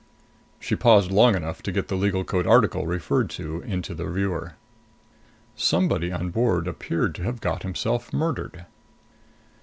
She paused long enough to get the Legal Code article referred to into the viewer. Somebody on board appeared to have got himself murdered.